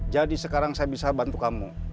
jadi sekarang saya bisa bantu kamu